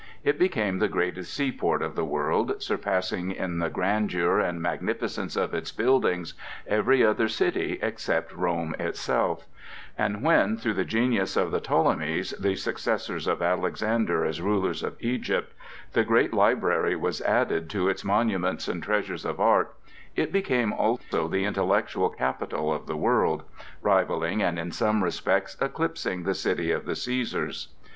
It became the greatest seaport of the world, surpassing in the grandeur and magnificence of its buildings every other city except Rome itself; and when, through the genius of the Ptolemies, the successors of Alexander as rulers of Egypt, the great library was added to its monuments and treasures of art, it became also the intellectual capital of the world, rivalling and in some respects eclipsing the city of the Cæsars.